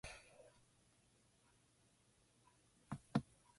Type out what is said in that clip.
If the full diagnostic workup is completely normal, patient observation is recommended.